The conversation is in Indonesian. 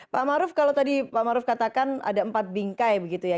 pak maruf kalau tadi pak maruf katakan ada empat bingkai begitu ya